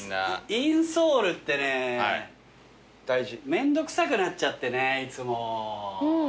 めんどくさくなっちゃってねいつも。